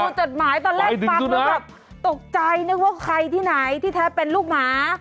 จดหมายตอนแรกฟังแล้วแบบตกใจนึกว่าใครที่ไหนที่แท้เป็นลูกหมา